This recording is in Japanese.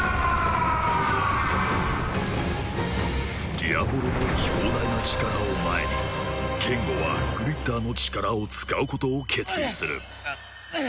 ディアボロの強大な力を前にケンゴはグリッターの力を使うことを決意するうっうぅ！